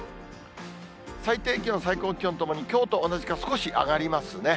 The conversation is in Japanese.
最低気温、最高気温ともにきょうと同じか少し上がりますね。